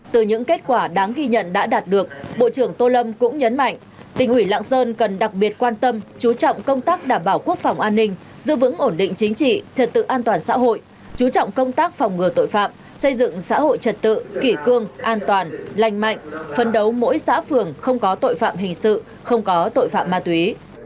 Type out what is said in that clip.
từ những kết quả đáng ghi nhận đã đạt được bộ trưởng tô lâm cũng nhấn mạnh tỉnh ủy lạng sơn cần đặc biệt quan tâm chú trọng công tác đảm bảo quốc phòng an ninh giữ vững ổn định chính trị trật tự an toàn xã hội chú trọng công tác phòng ngừa tội phạm xây dựng xã hội trật tự kỷ cương an toàn lành mạnh phân đấu mỗi xã phường không có tội phạm hình sự không có tội phạm ma túy